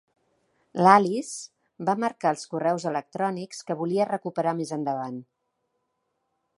L'Alice va marcar els correus electrònics que volia recuperar més endavant.